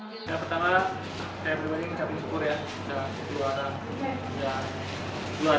pertama saya berubahnya mencapai syukur ya bisa juara juara lagi buat kejurnas pbsi dua ribu tujuh belas